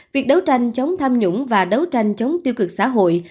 việc đấu tranh chống tham nhũng và đấu tranh chống tiêu cực xã hội